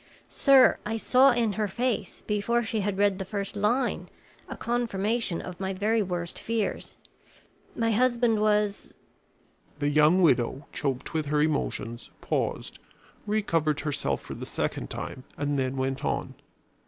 Sir, I saw in her face, before she had read the first line, a confirmation of my very worst fears. My husband was " The young widow, choked with her emotions, paused, recovered herself for the second time, and then went on.